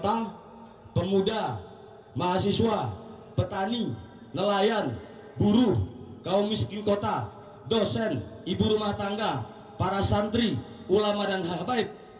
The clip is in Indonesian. tentang pemuda mahasiswa petani nelayan buruh kaum miskin kota dosen ibu rumah tangga para santri ulama dan sahabat baik